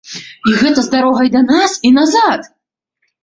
І гэта з дарогай да нас і назад!